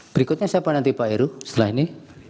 berikutnya siapa nanti pak heru setelah ini